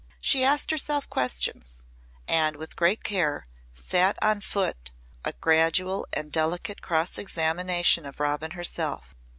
She asked herself questions and with great care sat on foot a gradual and delicate cross examination of Robin herself.